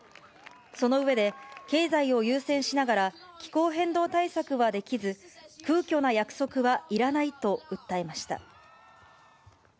その上で、経済を優先しながら気候変動対策はできず、空虚な約束はいらないと訴えました。